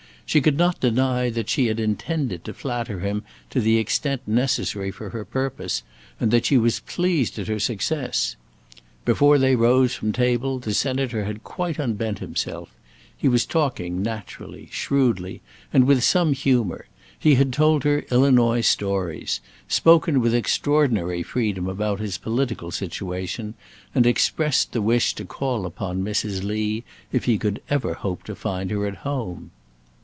She could not deny that she had intended to flatter him to the extent necessary for her purpose, and that she was pleased at her success. Before they rose from table the Senator had quite unbent himself; he was talking naturally, shrewdly, and with some humour; he had told her Illinois stories; spoken with extraordinary freedom about his political situation; and expressed the wish to call upon Mrs. Lee, if he could ever hope to find her at home.